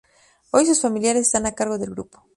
Hoy sus familiares están a cargo del grupo.